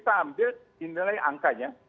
sambil dinilai angkanya